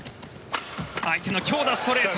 相手の強打、ストレート。